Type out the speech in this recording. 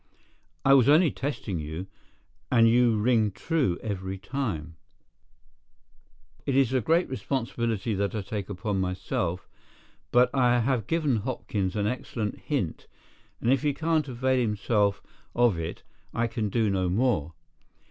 "I was only testing you, and you ring true every time. Well, it is a great responsibility that I take upon myself, but I have given Hopkins an excellent hint and if he can't avail himself of it I can do no more.